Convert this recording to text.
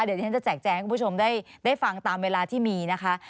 เดี๋ยวที่ฉันจะแจกแจงให้คุณผู้ชมได้ฟังตามเวลาที่มีนะคะ